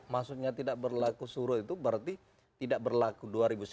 maksudnya tidak berlaku suruh itu berarti tidak berlaku dua ribu sembilan belas